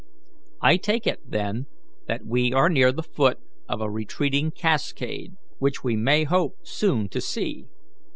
I take it, then, that we are near the foot of a retreating cascade, which we may hope soon to see.